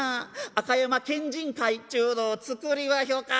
あか山県人会っちゅうの作りまひょか』。